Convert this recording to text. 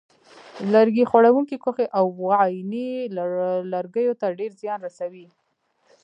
لرګي خوړونکې کوخۍ او وایینې لرګیو ته ډېر زیان رسوي.